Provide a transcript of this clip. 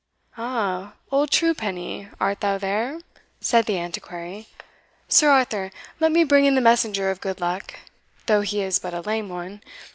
"Aha, old Truepenny, art thou there?" said the Antiquary. "Sir Arthur, let me bring in the messenger of good luck, though he is but a lame one.